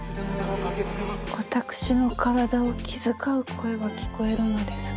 私の体を気遣う声は聞こえるのですが。